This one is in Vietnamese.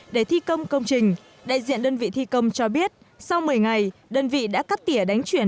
để thi công công trình đại diện đơn vị thi công cho biết sau một mươi ngày đơn vị đã cắt tỉa đánh chuyển